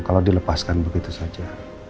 kalau dilepaskan begitu saja